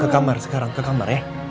ke kamar sekarang ke kamar ya